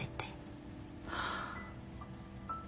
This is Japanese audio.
はあ。